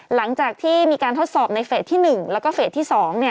หลังจากที่มีการทดสอบในเฟสที่๑แล้วก็เฟสที่๒